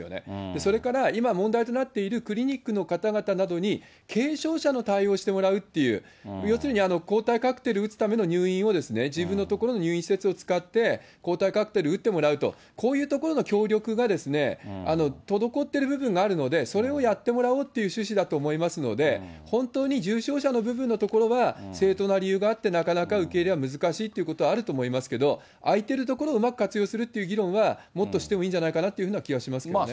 それから今、問題となっている、クリニックの方々などに、軽症者の対応してもらうという、要するに、抗体カクテル打つための入院をですね、自分のところの入院施設を使って、抗体カクテル打ってもらうと、こういうところの協力がですね、滞っている部分があるので、それをやってもらおうっていう趣旨だと思いますので、本当に重症者の部分のところは、正当な理由があってなかなか受け入れは難しいということはあると思いますけど、空いてるところをうまく活用していくという議論はもっとしてもいいんじゃないかなというふうな気はしますけどね。